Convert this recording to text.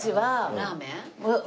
ラーメン？